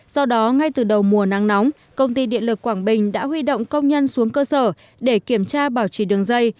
do đó ngay từ đầu mùa nắng nóng công ty điện lực quảng bình đã huy động công nhân xuống cơ sở để kiểm tra bảo trì đường dây